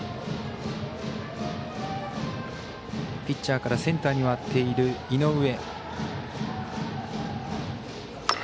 ピッチャーからセンターに回っている井上。